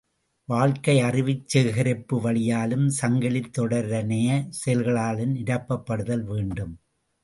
வாழ்க்கை அறிவுச் சேகரிப்பு வழியாலும் சங்கிலித் தொடரனைய செயல்களாலும் நிரப்பப்படுதல் வேண்டும்.